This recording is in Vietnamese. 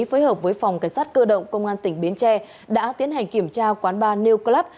phối hợp với phòng cảnh sát cơ động công an tỉnh bến tre đã tiến hành kiểm tra quán bar new club